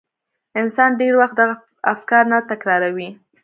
انسان ډېر وخت دغه افکار نه تکراروي.